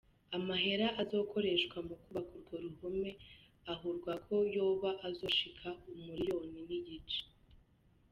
Amahera azokoreshwa mu kwubaka urwo ruhome aharurwa ko yoba azoshika umuliyoni n'igice.